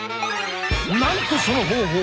なんとその方法